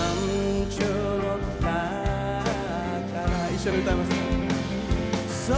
一緒に歌います。